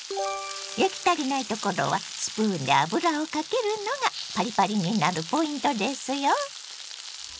焼き足りないところはスプーンで油をかけるのがパリパリになるポイントですよ。